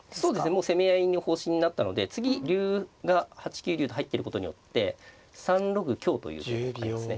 もう攻め合いの方針になったので次竜が８九竜と入ってることによって３六香という手がありますね。